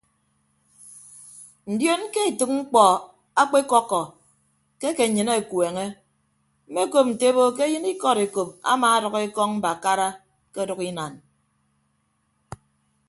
Ndion ke etәk mkpọ akpekọkkọ ke ake nnyịn akueñe mmekop nte ebo ke eyịn ikọd ekop amaadʌk ekọñ mbakara ke ọdʌk inan.